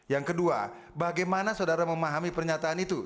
yang kedua bagaimana saudara memahami pernyataan itu